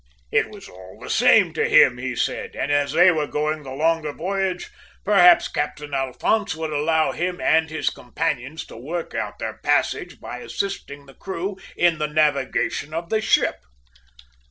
"It was all the same to him, he said, and as they were going the longer voyage, perhaps Captain Alphonse would allow him and his companions to work out their passage by assisting the crew in the navigation of the ship.